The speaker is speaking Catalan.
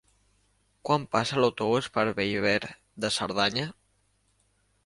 Quan passa l'autobús per Bellver de Cerdanya?